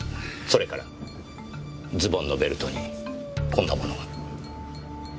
それからズボンのベルトにこんな物が。